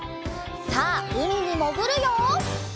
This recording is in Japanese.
さあうみにもぐるよ！